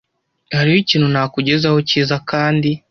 Hariho ikintu nakugezaho cyiza kandi?